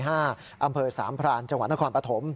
อำเภอสามพรานจังหวัดนครปฐม